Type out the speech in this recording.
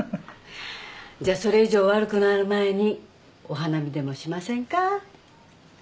じゃあそれ以上悪くなる前にお花見でもしませんか？